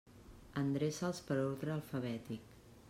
Endreça'ls per ordre alfabètic.